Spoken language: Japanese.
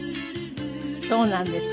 そうなんです。